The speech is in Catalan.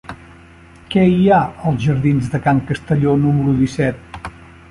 Què hi ha als jardins de Can Castelló número disset?